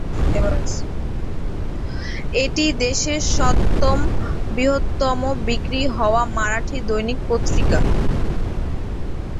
এটি দেশের সপ্তম বৃহত্তম বিক্রি হওয়া মারাঠি দৈনিক পত্রিকা।